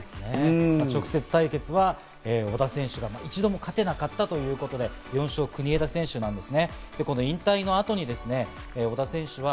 直接対決は小田選手が一度も勝てなかったということで、国枝選手が４勝なんですね。